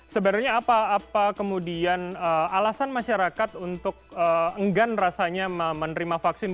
sebenarnya apa kemudian alasan masyarakat untuk enggan rasanya menerima vaksin